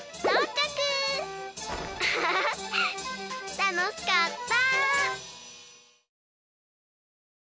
たのしかった！